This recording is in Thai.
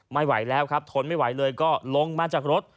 ไม่ไหวแล้วครับทนไม่ไหวเลยก็ลงมาจากรถ